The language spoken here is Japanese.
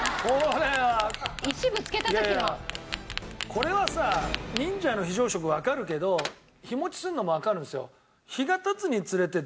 これはさ忍者の非常食わかるけど日持ちするのもわかるんですよ。